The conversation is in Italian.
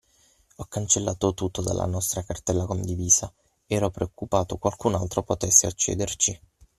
Ho cancellato tutto dalla nostra cartella condivisa, ero preoccupato qualcun'altro potesse accederci.